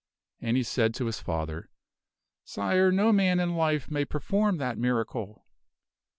And he said to his father, " Sire, no man in life may perform that miracle."